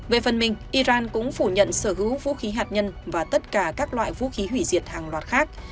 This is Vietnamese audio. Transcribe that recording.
về phần mình iran cũng phủ nhận sở hữu vũ khí hạt nhân và tất cả các loại vũ khí hủy diệt hàng loạt khác